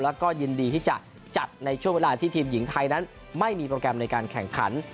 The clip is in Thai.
แล้วก็ยินดีที่จะจัดในช่วงเวลาที่ทีมหญิงไทยนั้นไม่มีโปรแกรมในการแข่งขัน